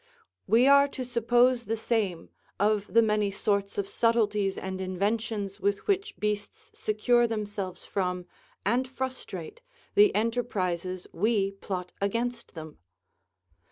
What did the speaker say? We are to suppose the same of the many sorts of subtleties and inventions with which beasts secure themselves from, and frustrate, the enterprizes we plot against them.